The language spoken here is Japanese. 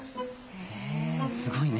へえすごいね。